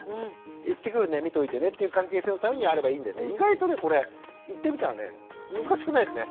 「行ってくるね見といてね」っていう関係性のためにあればいいんでね意外とねこれ言ってみたらね難しくないですね。